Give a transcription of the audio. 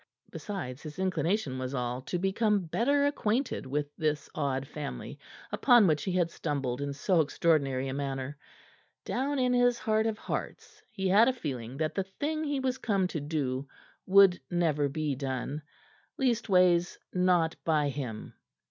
Besides, his inclination was all to become better acquainted with this odd family upon which he had stumbled in so extraordinary a manner. Down in his heart of hearts he had a feeling that the thing he was come to do would never be done leastways, not by him.